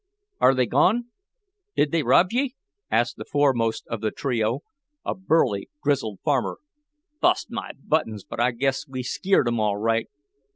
"Are they gone? Did they rob ye?" asked the foremost of the trio, a burly, grizzled farmer. "Bust my buttons, but I guess we skeered 'em all right!"